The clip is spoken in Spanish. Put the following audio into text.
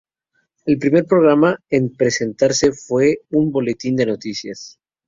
El primer programa en presentarse fue un boletín de noticias.